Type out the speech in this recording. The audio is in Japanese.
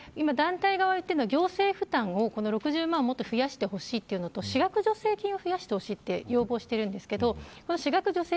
団体側が言っているのは行政負担は６０万もっと増やしてほしいというのと私学助成金を増やしてほしいと要望しています。